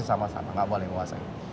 sama sama gak boleh menguasai